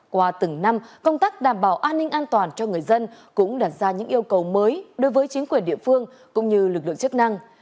qua từng năm công tác đảm bảo an ninh an toàn cho người dân cũng đặt ra những yêu cầu mới đối với chính quyền địa phương cũng như lực lượng chức năng